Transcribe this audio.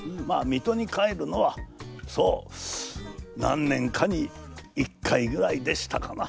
水戸に帰るのはそう何年かに一回ぐらいでしたかな。